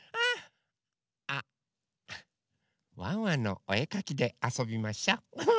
あ「ワンワンのおえかき」であそびましょ。